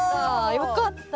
よかった。